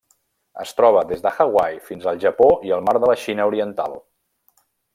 Es troba des de Hawaii fins al Japó i el Mar de la Xina Oriental.